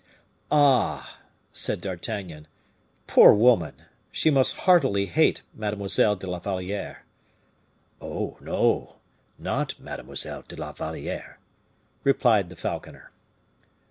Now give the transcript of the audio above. '" "Ah!" said D'Artagnan, "poor woman! She must heartily hate Mademoiselle de la Valliere." "Oh, no! not Mademoiselle de la Valliere," replied the falconer.